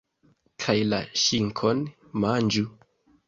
Kaj la ŝinkon manĝu.